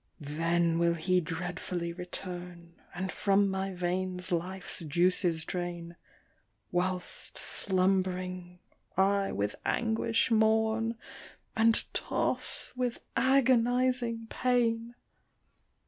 " Then will he dreadfully return, And from my veins life's juices drain ; Whilst, slumb'ring, I with anguish mourn, And toss with agonizing pain